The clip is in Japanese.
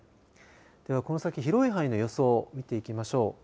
ではこの先、広い範囲の予想を見ていきましょう。